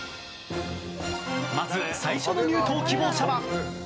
まず最初の入党希望者は。